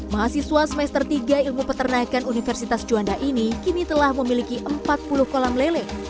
mahasiswa semester tiga ilmu peternakan universitas juanda ini kini telah memiliki empat puluh kolam lele